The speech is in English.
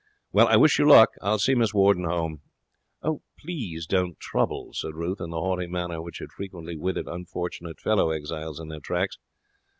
'Well, I wish you luck. I'll see Miss Warden home.' 'Please don't trouble,' said Ruth, in the haughty manner which had frequently withered unfortunate fellow exiles in their tracks.